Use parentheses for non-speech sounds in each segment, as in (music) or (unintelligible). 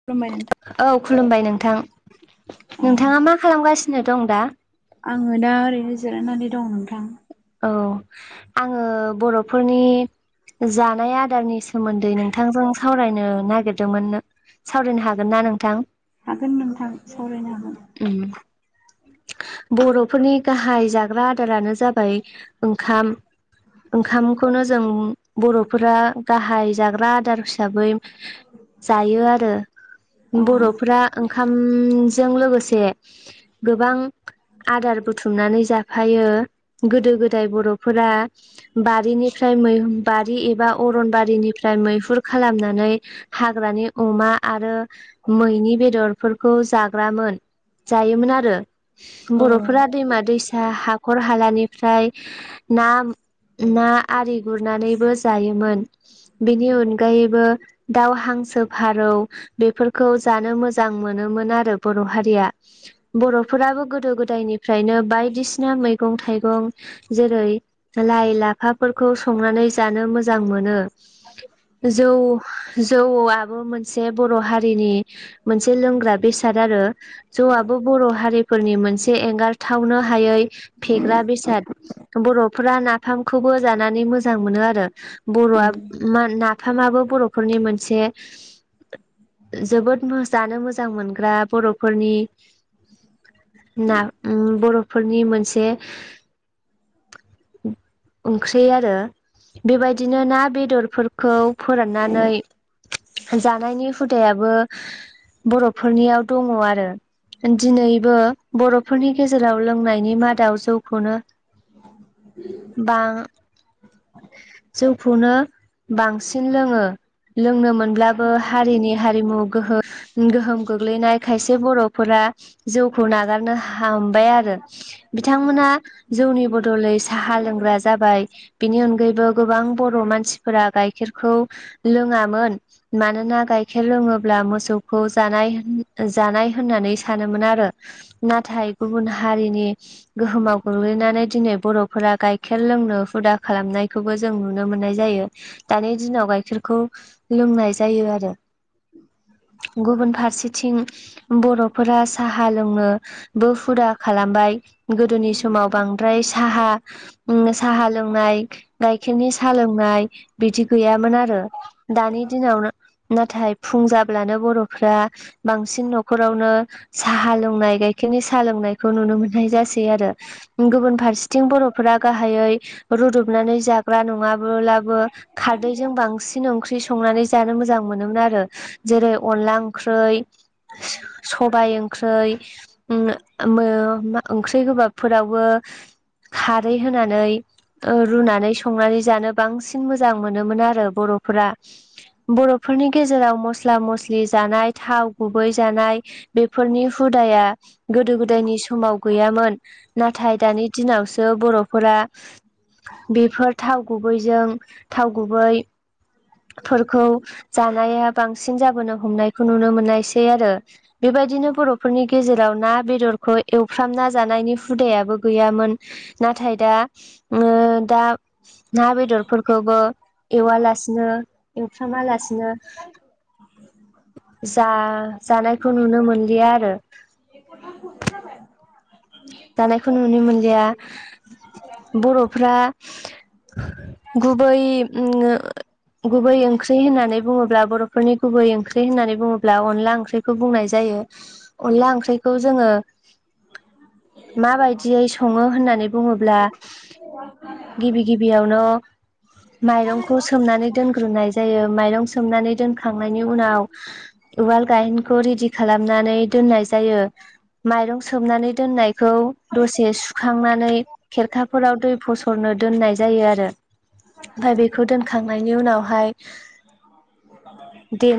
(unintelligible) औ खुलुमबाय नोंथां अ नोंथाङा मा खालामगासिनो दं दा आङो दा ओरैनो जिरायनानै दं नोंथां। औ आङो बर'फोरनि जानाय आदारनि सोमोन्दै नोंथांजों सावरायनो नागिरदोंमोन। सावरायनो हागोन ना नोंथां हागोन नोंथां सावरायनो हागोन उम बर'फोरनि गाहाय जाग्रा आदारानो जाबाय ओंखाम ओंखामखौनो जों बर'फोरा गाहाय जाग्रा आदार हिसाबै जायो आरो बर'फ्रा ओंखामजों लोगोसे गोबां आदार बुथुमनानै जाफायो गोदो गोदाय बर'फोरा बारिनिफ्राय मैह बारि एबा अरनबारिनिफ्राय मैहुर खालामनानै हाग्रानि अमा आरो मैनि बेदरफोरखौ जाग्रामोन जायोमोन आरो औ बर'फोरा दैमा दैसा हाखर हालानिफ्राय ना ना आरि गुरनानैबो जायोमोन बेनि अनगायैबो दाउ हांसो फारौ बेफोरखौ जानो मोजां मोनोमोन आरो बर' हारिया बर'फोराबो गोदो गोदायनिफ्रायनो बायदिसिना मै गं थाइगं जेरै लाइ लाफाफोरखौ संनानै जानो मोजां मोनो जौ जौआबो मोनसे बर' हारिनि मोनसे लोंग्रा बेसाद आरो जौआ बो बर' हारिफोरनि मोनसे एंगारथावनो हायै फेग्रा बेसाद बर'फोरा नाफामखौबो जानानै मोजां मोनो आरो औ बर'आ मा नाफामाबो बर'फोरनि मोनसे जोबोद जानो मोजां मोनग्रा बर'फोरनि ना बर'फोरनि मोनसे ओंख्रि आरो बेबायदिनो ना बेदरफोरखौ फोराननानै जानायनि हुदायाबो बर'फोरनियाव दङ आरो दिनैबो बर'फोरनि गेजेराव लोंनायनि मादाव जौखौनो ओ बां जौखौनो बांसिन लोङो लोंनो मोनब्लाबो हारिनि हारिमु गोहो गोहोम गोग्लैनाय खायसे बर' फोरा जौखौ नागारनो हामबाय आरो बिथांमोना जौनि बदलै साहा लोंग्रा जाबाय बिनि अनगायैबो गोबां बर' मानसि फोरा गाइखेरखौ लोङामोन मानोना गाइखेर लोङोब्ला मोसौ खौ जानाय जानाय होननानै सानोमोन आरो नाथाय गुबुन हारिनि गोहोमाव गोग्लैनानै दिनै बर'फोरा गाइखेर लोंनो हुदा खालामनायखौबो। जों नुनो मोननाय जायो दानि दिनाव गाइखेरखौ लोंनाय जायो आरो गुबुन फारसेथिं। बर'फोरा साहा लोंङो बो हुदा खालामबाय गोदोनि समाव बांद्राय साहा साहा लोंनाय गाइखेरनि साहा लोंनाय बिदि गैयामोन आरो। दानि दिनाव नाथाय फुं जाब्लानो बर'फ्रा बांसिन न' खरावनो साहा लोंनाय गाइखेरनि साहा लोंनायखौ नुनो मोननाय जासै आरो। गुबुन फारसेथिं बर'फोरा गाहायै रुदबनानै जाग्रा नङाबोला बो खारदैजों बांसिन ओंख्रि संनानै जानो मोजां मोनोमोन आरो जेरै अनला ओंख्रै सबाय ओंख्रि ओंख्रि गोबाबफोरावबो। खारै होनानै रुनानै संनानै जानो। बांसिन मोजां मोनोमोन आरो बर'फोरा बर'फोरनि गेजेराव म मस्ला मस्लि जानाय थाव गुबै जानाय बेफोरनि हुदाया। गोदो गोदायनि समाव गैयामोन नाथाय दानि दिनावसो बर'फोरा। बेफोर थाव गुबैजों थाव गुबैफोरखौ। जानाया बांसिन जाबोनो हमनायखौ नुनो मोननायसै आरो बेबायदिनो बर'फोरनि गेजेराव ना बेदरखौ एवफ्रामना जानायनि हुदायाबो गैयामोन नाथाय दा दा। ना बेदरफोरखौबो एवालासिनो एवफ्रामा लासिनो बिदिनो जा जानायखौ नुनो मोनलिया आरो। (unintelligible) जानायखौ नुनो मोनलिया बर'फ्रा गुबै गुबै ओंख्रि होननानै बुङोब्ला बर' फोरफोरनि गुबै ओंख्रि होननानै बुङोब्ला अनला ओंख्रिखौ बुंनाय जायो। अनला ओंख्रिखौ जोङो। माबायदियै सङो होननानै बुङोब्ला गिबि गिबियावनो माइरंखौ सोमनानै दोनग्रोनाय जायो माइरं सोमनानै दोनखांनायनि उनाव। उवाल गायेनखौ रेडि खालामनानै दोननाय जायो माइरं सोबनानै होननायखौ दसे सुखांनानै। खेरखाफोराव दै फसरनो दोननाय जायो आरो ओमफफ्राय बेखौ दोनखांनायनि उनाव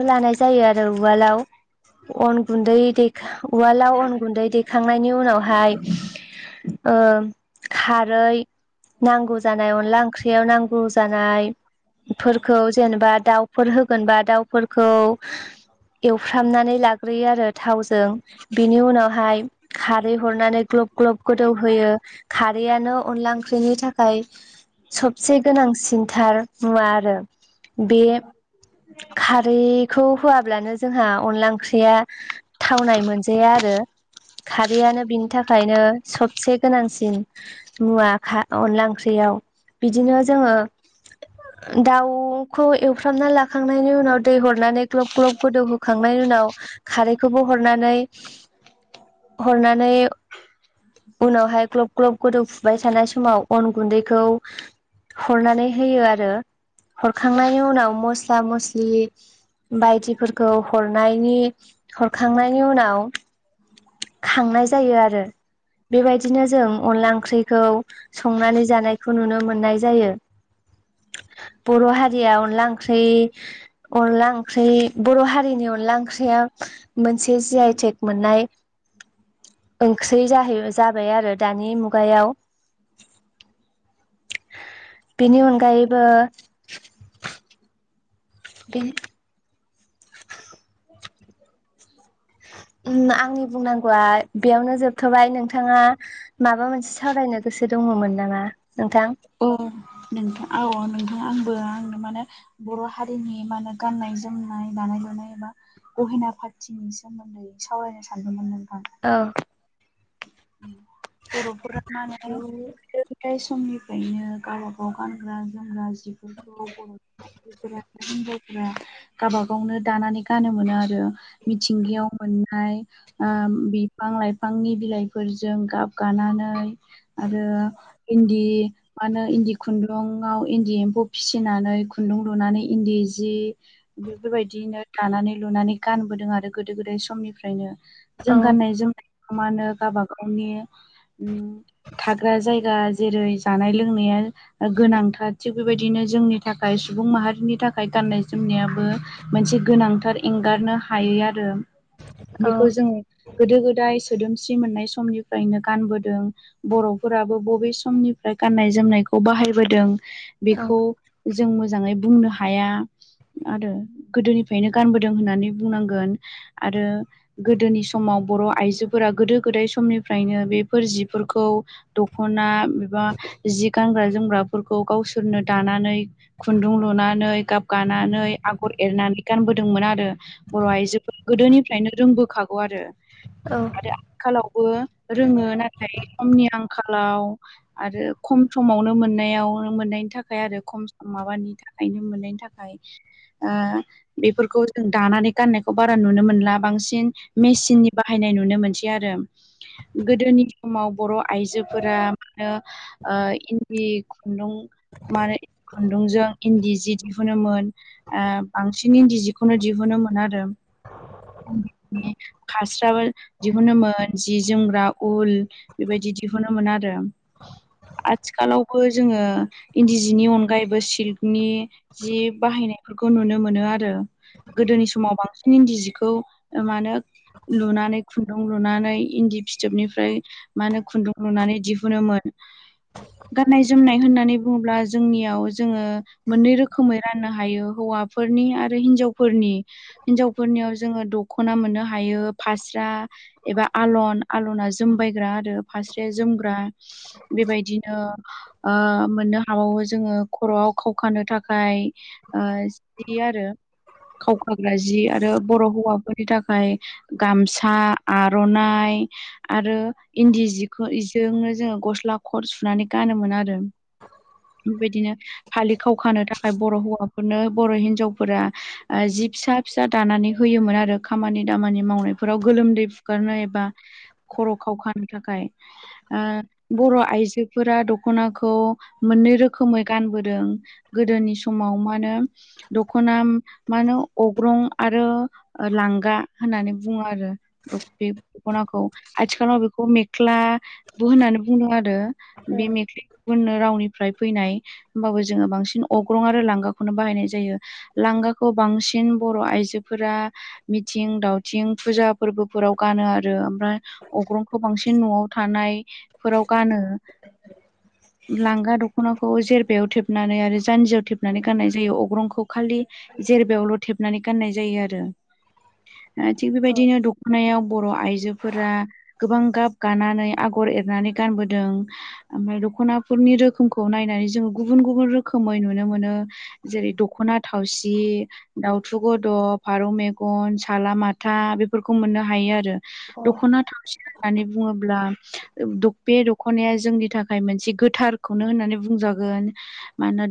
उनाव जायो आरो उवालाव गुै उालावन गुन्दै देखां खांनायनि उनावहाय खारै नांगौ जानाय अनला ओंख्रियाव नांगौ जानायफोरखौ जेनेबा दाउ फोर होगोनबा दाउफोरखौ एवफ्रामनानै लाग्रोयो आरो थाव। नि उनावहाय खारै होनानै ग्लब ग्लब गोदौहोयो। बारियानो अनला ओंख्रिनि थाखाय सबसे गोनांसिनथार मुवा आरो बे। खारैखौ होआब्लानो जोंहा अनला ओंख्रिया। थावनाय मोनजाया आरो खारैआनो बिनि थाखायनो सब एसे गोनांसिन मुवा अनला ओंख्रियाव बिदिनो जोङो (inaudible) दाउखौ एवफ्रामना लाखांनायनि उनाव दै हरनानै ग्लब ग्लब गोदौहोखांनायनि उनाव। खारैखौबो हरनानै हरनानै उनावहाय ग्लब ग्लब गोदौफुबाय थानाय समाव अन गुन्दैखौ हरनानै होयो आरो हरखांनायनि उनाव मस्ला मस्लि बायदिफोरखौ हरनायनि हरखांनायनि उनाव खांनाय जायो आरो बेबायदिनो जों अनला ओंख्रिखौ संनानै जानायखौ नुनो मोननाय जायो (unintelligible) बर' हारिया अनला ओंख्रि अनला ओंख्रि बर' हारिनि अनला ओंख्रिया मोनसे जि आइटेक मोननाय (inaudible) ओंख्रि जाहै जाबाय आरो दानि मुगायाव बेनि अनगायैबो बेन (unintelligible) आंनि बुंनांगौआ बेयावनो जोबथ'बाय नोंथाङा। माबा मोनसे सावरायनो गोसो दङमोन नामा नोंथां अ नोंथ औ नोंथ आंबो आंनो माने बर' हारिनि मा होनो गाननाय जोमनाय दानाय लुनाय एबा अहेना पार्टिनि सोमोन्दै सावरायनो सानदोंमोन नों आां औ गफुर माने फराय समनिफ्रायनो गावब गाव गानग्रा जोमग्रा जिफोरखौ बर' आज गावब गावनो दानानै गानो मोनो आरो मिथिंगायाव मोननाय बिफां लाइफांनि बिलाइफोरजों गाब गानानै आरो इन्दि मा होनो इन्दि खुन्दुंआव इन्दि एम्फौ फिसिनानै खुन्दुं लुनानै इन्दि जि बेफोरबायदिनो दानानै लुनानै गानबोदों आरो गोदो गोदाय समनिफ्रायनो औ जों गाननाय जोमनायखौ मा होनो गावब गावनि थाग्रा जायगा जेरै जानाय लोंनाया गोनांथार थिग बेबायदिनो जोंनि थाखाय सुबुं माहारिनि थाखाय गाननाय जोमनायाबो मोनसे गोनांथार एंगारनो हायो आरो औ बेखौ जोङो गोदो गोदाय सोदोमस्रि मोननाय समनिफ्रायनो गानबोदों बर'फोराबो बबे समनिफ्राय गाननाय जोमनायखौ बाहायबोदों बेखौ औ जों मोजाङै बुंनो हाया आरो गोदोनिफ्रायनो गानबोदों होननानै बुंनांगोन आरो गोदोनि समाव बर' आइजोफोरा गोदो गोदाय समनिफ्रायनो बेफोर जिफोरखौ दख'ना एबा जि गानग्रा जोमग्राफोरखौ गावसोरनो दानानै खुन्दुं लुनानै गाब गानानै आगर एरनानै गानबोदोंमोन आरो बर' आइजोफोरा गोदोनिफ्रायनो रोंबोखागौ आरो औ आंखालावबो रोङो नाथाय सममनि आंखालाव आरो खम समावनो मोननायाव मोननायनि थाखाय आरो खम सम माबानि थाखाय नो मोननायनि थाखाय बेफोरखौ जों दानानै गाननायखौ बारा नुनो मोनला बांसिन मेसिननि बाहायनाय नुनो मोनसै आरो गोदोनि समाव बर' आइजोफोरा मा होनो इन्दि खुन्दुं मानो खुन्दुंजों इन्दि जि दिहुनो बांसिन इन्दि जिखौनो दिहुनो मोन आरो खास्राबो दिहुनोमोन जि जोमग्रा उल बेबायदि दिहुनो मोनो आरो आथिखालावबो जोङो इन्दि जिनि अनगायैबो सिल्कनि जि बाहायनायफोरखौ नुनो मोनो आरो गोदोनि समाव बांसिन इन्दि जिखौ म होने लुनानै खुन्दुं लुनानै इन्दि फिथोबनिफ्राय मा होनो खुन्दुं लुनानै दिहुनोमोन गाननाय जोमनाय होननानै बुङोब्ला जोंनियाव जोङो मोननै रोखोमै राननो हायो हौवाफोरनि आरो हिनजावफोरनि हिनजावफोरनियाव जोङो दख'ना मोननो हायो फास्रा एबा आलन आलना जोमबायग्रा आरो फास्रया जोमग्रा बेबायदिनो मोननो हाबावो जोङो खर'आव खावखानो थाखाय जि आरो खावखाग्रा जि आरो बर' हौवाफोरनि थाखाय गामसा आरो (unintelligible) आरो इन्दि जिखौजोंनो जोङो गस्ला खर सुनानै गानोमोन आरो बेबायदिनो फालि खावखानो थाखाय बर' हौवाफोरनो बर' हिनजावफोरा जि फिसा फिसा दानानै होयोमोन आरो खामानि दामानि मावनायफोराव गोलोमदै गारनो एबा खर' खाव खानो थाखाय बर' आइजोफोरा दख'नाखौ मोननै रोखोमै गानबोदों गोदोनि समाव मा होनो दखना मा होनो अग्रं आरो लांगा होननानै बुङो आरो बे दखनाखौ आथिखालाव बेखौ मेख्लाबोो होननानै बुंदों आरो बे मे गुबुननो रावनिफ्राय फैनाय होमबाबो जोङो बांसिन अग्रं आरो लांगाखौनो बाहायनाय जायो लांगाखौ बांसिन बर' आइजोफोरा मिथिं दावथिं फुजा फोरबोफोराव गानो आरो ओमफ्राय अग्रंखौ बांसिन न'आव थानायफोराव गानो लांगा दख'नाखौ जेरबायायाव थेबनानै आरो जानजियाव थेबनानै गाननाय जायो अग्रंखौ खालि जेरबायावल' थेबनानै गाननाय जायो आरो थिग बेबायदिनो दखनायाव बर' आइजोफोरा गोबां गाब गानानै आगर एरनानै गानबोदों ओमफ्राय दख'नाफोरनि रोखोमखौ नायनानै जोङो गुबुन गुबुन रोखोमै नुनो मोनो जेरै दख'ना थावसि दाउथु गद' फारौ मेगन साला माथा बेफोरखौ मोननो हायो आरो औ दख'ना थावसि होननानै बुङोब्ला बे दख'नाया जोंनि थाखाय मोनसे गोथार खौनो होननानै बुंजागोन मानो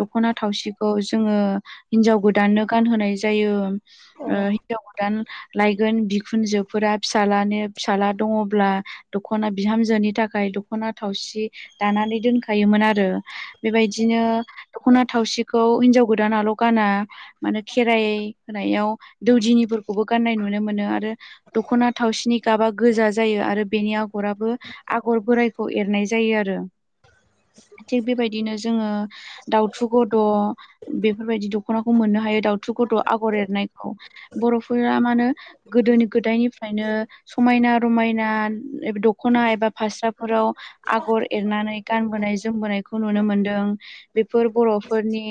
दख'ना थावसिखौ जोङो हिनजाव गोदाननो गानहोनाय जायो हिन्जाव गोदान लायगोन बिखुनजोब फोर फिसलनि फिसाला दङब्ला दख'ना बिहामजोनि थाखाय दख'ना थावसि दानानै दोनखायोमोन आरो बेबायदिनो दख'ना थावसिखौ हिन्जाव गोदानाल' गाना मान खेराइ होनायाव दौदिनिफोरखौबो गाननाय नुनो मोनो आरो दख'ना थावसिनि गाबा गोजा जायो आरो बेनि आगराबो आगर बोरायखौ एरनाय जायो आरो थिग बेबायदिनो जोङो दाउथु गद' बेफोरबायदि दख'नाखौ मोननो हायो दाउथु गद' आगर एरनायखौ बर'फोरा मा होनो गोदोनि गोदायनिफ्रायनो समायना रमायना दख'ना एबा फास्राफोराव आगर एरनानै गानबोनाय जोमबोनायखौ नुनो मोनदों बेफोर बर'फोरनि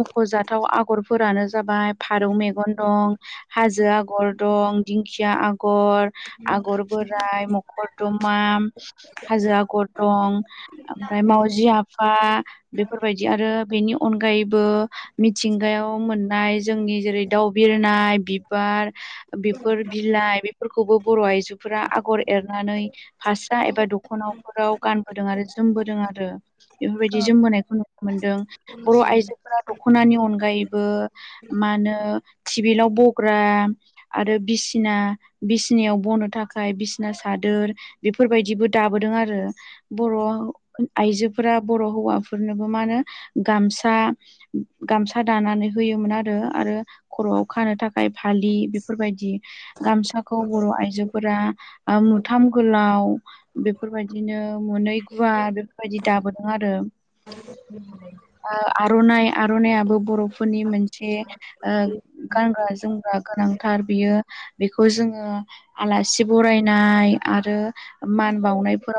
मख'जाथाव आगरफोरानो जाबाय फारौ मेगन दं हाजो आगर दं दिंखिया आगर आगर बोराइ मखर दतमा हाजो ग दं ओमफ्राय मावजि आफा बेफोरबायदि आरो बेनि अनगायैबो मिथिंगायाव मोननाय जोंनि जेरै दाउ बिरनाय बिबार बेफोर बिलाइ फोरखौबो बर' आइजोफोरा आगर एरनानै फाससा एबा दख'नाफोराव गानबोदों आरो जोमबोदों आरो बेफोरबायदि औ जोम मोनायखौ नुनो मोनदों बर' आइजोफोरा दख'नानि अनगायैबो मा होनो टिबिलाव बग्रा आरो बिसिना बिसिनायाव बनो थाखाय बिसिना सादोर बेफोरबायदिबो दाबोदों आरो बर' आइजोफोरा बर' हौवाफोरनोबो मा होनो गामसा गामसा दानानै होयोमोन आरो आरो खर'आव खानो थाखाय फालि बेफोरबायदि गामसा खौ बर' आइजोफोरा मुथाम गोलाव बेफोरबायदिनो मोनै गुवार बेफोरबायदि दाबोदों आरो (unintelligible) आर'नाइ आर'नाइयाबो बर'फोरनि मोनसे गानग्रा जोमग्रा गोनांथार बियो बेखौ जोङो आलासि बरायनाय आरो मान बावनायफोराव